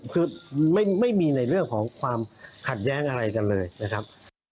คือไม่มีในเรื่องของความขัดแย้งอะไรกันเลยนะครับ